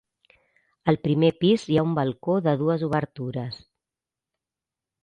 Al primer pis hi ha un balcó de dues obertures.